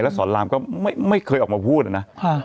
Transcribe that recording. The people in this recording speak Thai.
สอนรามก็ไม่เคยออกมาพูดนะ